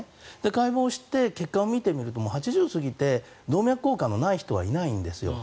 解剖して血管を見てみると８０歳を過ぎて動脈硬化のない人はいないんです。